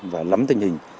và lắm tình hình